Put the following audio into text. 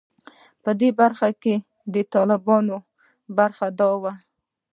په دې برخه کې د طالبانو برخه دا وه.